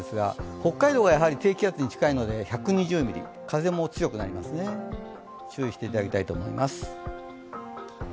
北海道が低気圧に近いので１２０ミリ風も強くなります、注意していただきたいと思います。